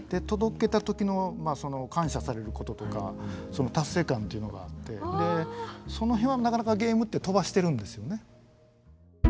届けた時のその感謝されることとかその達成感っていうのがあってその辺はなかなかゲームって飛ばしてるんですよね。